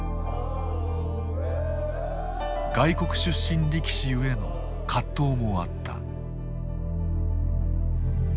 外国出身力士ゆえの葛藤もあった。